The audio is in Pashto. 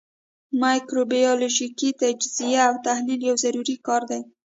مایکروبیولوژیکي تجزیه او تحلیل یو ضروري کار دی.